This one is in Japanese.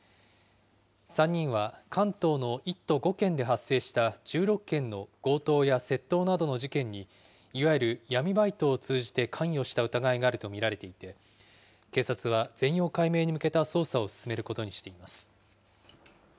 ３人は関東の１と５県で発生した１６件の強盗や窃盗などの事件に、いわゆる闇バイトを通じて関与した疑いがあると見られていて、警察は全容解明に向けた捜査を進めることにしています。